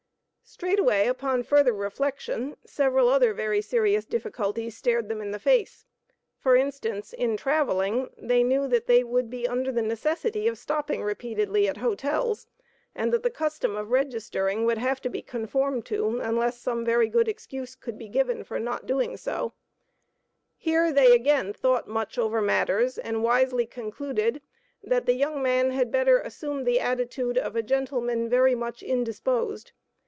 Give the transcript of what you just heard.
Straightway, upon further reflection, several other very serious difficulties stared them in the face. For instance, in traveling, they knew that they would be under the necessity of stopping repeatedly at hotels, and that the custom of registering would have to be conformed to, unless some very good excuse could be given for not doing so. [Illustration: WILLIAM CRAFT] [Illustration: ELLEN CRAFT.] Here they again, thought much over matters, and wisely concluded that the young man had better assume the attitude of a gentleman very much indisposed.